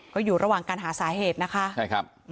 ก็อยู่ระหว่างการหาสาเหตุนะคะ